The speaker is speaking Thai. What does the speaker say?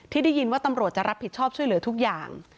ได้ยินว่าตำรวจจะรับผิดชอบช่วยเหลือทุกอย่าง